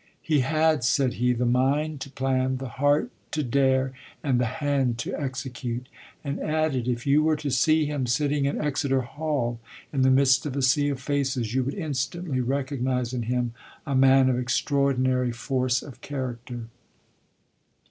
"He had," said he, "the mind to plan, the heart to dare, and the hand to execute," and added, "If you were to see him sitting in Exeter Hall in the midst of a sea of faces, you would instantly recognize in him a man of extraordinary force of character."